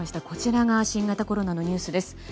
こちらが新型コロナのニュースです。